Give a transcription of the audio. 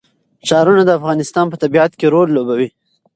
ښارونه د افغانستان په طبیعت کې رول لوبوي.